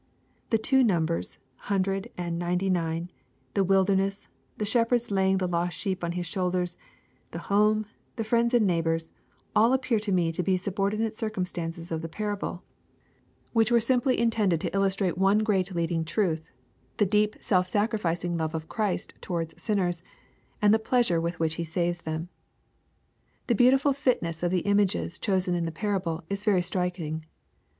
The two numbers, hundred, and ninety nine, — the wilderness, — the shepherd's laying the lost sheep on his thoulders, — the home, — the friends and neighbors, — all appear to me to be subordinate circumstances of the parable, which LUKE, CHAP. XV. 179 were simply intended to illustrate one great leading truth, the deep self sacrificing love of Christ towards sinners, and the pleas ure with which He saves them. The beautiful fitness of the images chosen in the parable, is very striking.